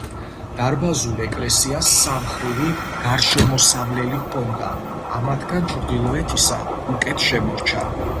დარბაზულ ეკლესიას სამმხრივი გარშემოსავლელი ჰქონდა; ამათგან ჩრდილოეთისა უკეთ შემორჩა.